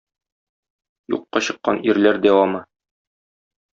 Юкка чыккан ирләр дәвамы.